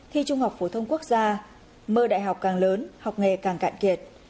thi trung học phổ thông quốc gia mơ đại học càng lớn học nghề càng cạn kiệt